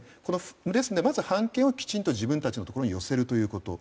ですので版権をきちんと自分たちのところに寄せるということ。